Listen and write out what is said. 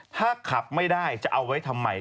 ถ้าขับไม่ได้จะเอาไว้ทำไม